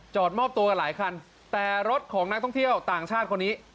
มอบตัวกันหลายคันแต่รถของนักท่องเที่ยวต่างชาติคนนี้